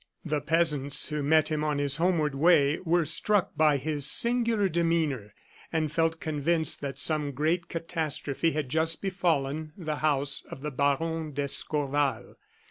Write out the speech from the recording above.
The peasants who met him on his homeward way were struck by his singular demeanor, and felt convinced that some great catastrophe had just befallen the house of the Baron d'Escorval.